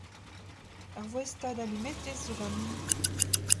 Ur voestad alumetez zo ganin.